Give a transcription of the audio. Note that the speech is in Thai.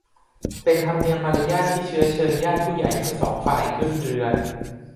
เป็นธรรมเนียมมารยาทที่เชื้อเชิญญาติผู้ใหญ่ทั้งสองฝ่ายขึ้นเรือน